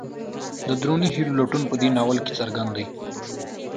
د دروني هیلو لټون په دې ناول کې څرګند دی.